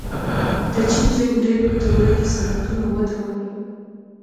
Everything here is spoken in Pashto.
د چین جمهوریت په دوره کې صنعتونه وده وکړه.